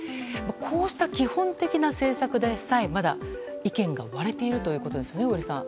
こうした基本的な政策でさえまだ意見が割れているということですね、小栗さん。